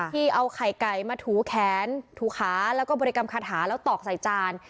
ที่เอาไข่ไก่มาถูแขนถูขาแล้วก็บริกรรมคาถาแล้วตอกใส่จาน